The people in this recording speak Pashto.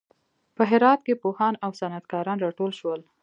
په هرات کې پوهان او صنعت کاران راټول شول.